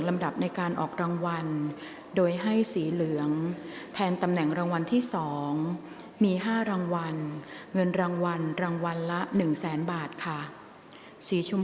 ทุกวันที่สองเครื่องที่สามเลขที่ออก